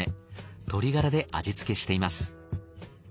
鶏がらで味付けしています。